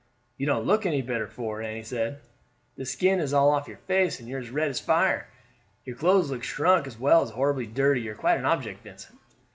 "You don't look any better for it," Annie said. "The skin is all off your face, and you are as red as fire. Your clothes look shrunk as well as horribly dirty. You are quite an object, Vincent."